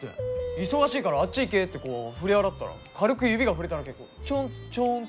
忙しいからあっち行けってこう振り払ったら軽く指が触れただけでこうちょんちょんって。